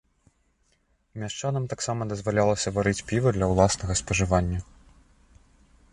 Мяшчанам таксама дазвалялася варыць піва для ўласнага спажывання.